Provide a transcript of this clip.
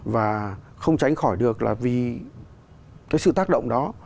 và không tránh khỏi được là vì cái sự tác động đó